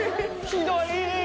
ひどい。